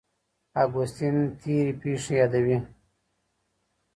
اګوستين تېرې پېښې يادوي.